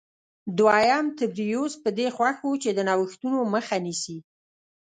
دویم تبریوس په دې خوښ و چې د نوښتونو مخه نیسي